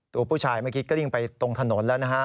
ตัวผู้ชายเมื่อกี้กลิ้งไปตรงถนนแล้วนะฮะ